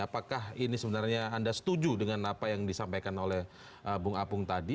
apakah ini sebenarnya anda setuju dengan apa yang disampaikan oleh bung apung tadi